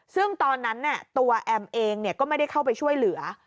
ซึ่งตอนนั้นตัวแอมเองก็ไม่ได้เข้าไปช่วยเหลือ